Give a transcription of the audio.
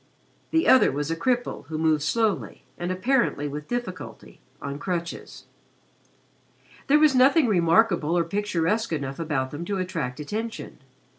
The other was a cripple who moved slowly, and apparently with difficulty, on crutches. There was nothing remarkable or picturesque enough about them to attract attention.